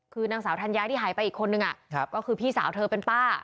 คือนางสาวธัญญาที่หายไปอีกคนนึงก็คือพี่สาวเธอเป็นป้า